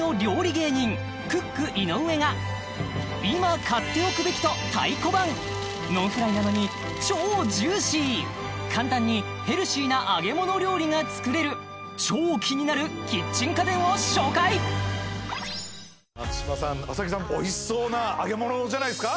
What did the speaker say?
芸人クック井上。が今買っておくべきと太鼓判ノンフライなのに超ジューシー簡単にヘルシーな揚げ物料理が作れる超キニナルキッチン家電を紹介松嶋さん麻木さんおいしそうな揚げ物じゃないですか？